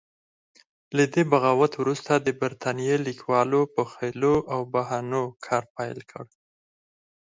له دې بغاوت وروسته د برتانیې لیکوالو په حیلو او بهانو کار پیل کړ.